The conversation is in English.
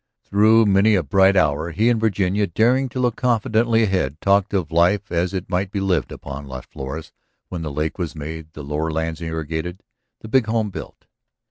Through many a bright hour he and Virginia, daring to look confidently ahead, talked of life as it might be lived upon Las Flores when the lake was made, the lower lands irrigated, the big home built.